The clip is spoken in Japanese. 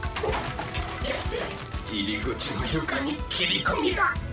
ぐっ入り口の床に切り込みが。